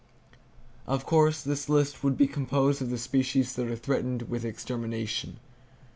Of course, this list would be composed of the species [Page 383] that are threatened with extermination.